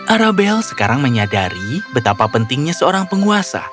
arabel sekarang menyadari betapa pentingnya seorang penguasa